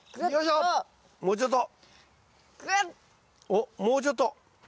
おっもうちょっと。